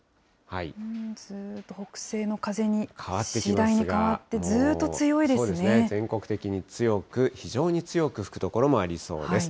ずっと北西の風に次第に変わそうですね、全国的に強く、非常に強く吹く所もありそうです。